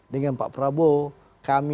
dengan pak prabowo kami